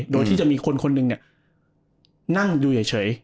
โดยที่จะมีคนคนหนึ่งเนี่ยนั่งอยู่เหยี่ยเฉย